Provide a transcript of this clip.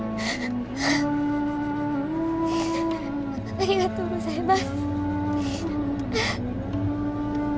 ありがとうございます。